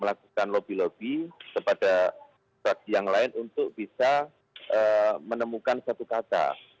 melakukan lobby lobby kepada saksi yang lain untuk bisa menemukan satu kata